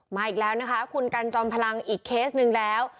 อีกแล้วนะคะคุณกันจอมพลังอีกเคสหนึ่งแล้ว